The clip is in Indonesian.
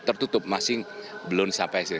tertutup masing belum sampai